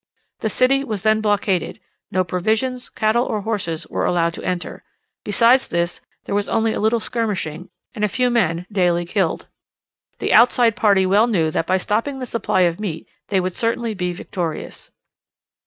The city was then blockaded, no provisions, cattle or horses, were allowed to enter; besides this, there was only a little skirmishing, and a few men daily killed. The outside party well knew that by stopping the supply of meat they would certainly be victorious.